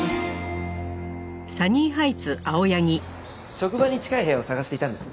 職場に近い部屋を探していたんです。